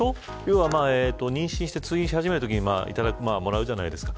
妊娠して通院し始めるときにもらうじゃないですか。